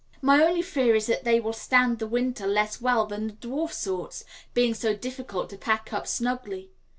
My only fear is, that they will stand the winter less well than the dwarf sorts, being so difficult to pack up snugly.